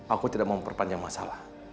aku tidak memperpanjang masalah